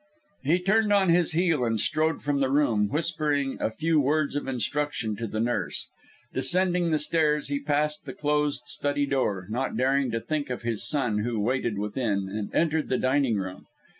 He turned on his heel, and strode from the room, whispering a few words of instruction to the nurse. Descending the stairs, he passed the closed study door, not daring to think of his son who waited within, and entered the dining room.